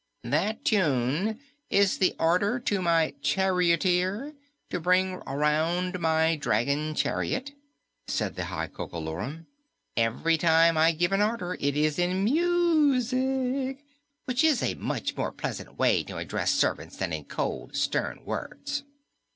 "That tune is the order to my charioteer to bring around my dragon chariot," said the High Coco Lorum. "Every time I give an order, it is in music, which is a much more pleasant way to address servants than in cold, stern words."